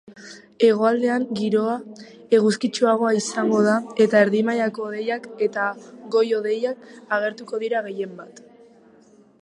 Hegoaldean giroa eguzkitsuagoa izango da eta erdi-mailako hodeiak eta goi-hodeiak agertuko dira gehienbat.